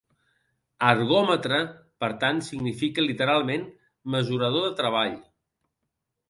"Ergòmetre", per tant, significa literalment "mesurador de treball".